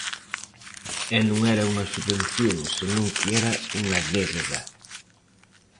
E non era unha subvención senón que era unha débeda!